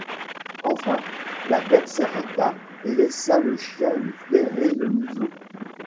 Enfin, la bête s’arrêta et laissa le chien lui flairer le museau.